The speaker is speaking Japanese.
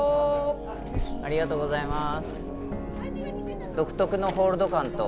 ありがとうございます。